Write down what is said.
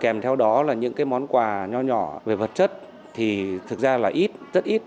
kèm theo đó là những cái món quà nhỏ nhỏ về vật chất thì thực ra là ít rất ít